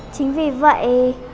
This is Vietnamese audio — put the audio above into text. chính vì vậy